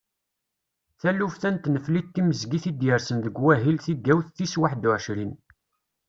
Taluft-a n tneflit timezgit i d-yersen deg wahil tigawt tis waḥedd u ɛecrin.